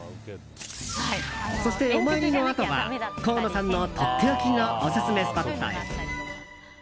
そして、お参りのあとは河野さんのとっておきのオススメスポットへ。